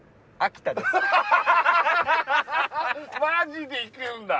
マジで行くんだ！